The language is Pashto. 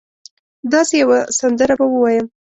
داسي یوه سندره به ووایم